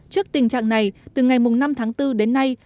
trước tình trạng này từ ngày năm tháng bốn đến nay